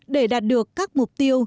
để đạt được các mục tiêu